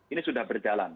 ini sudah berjalan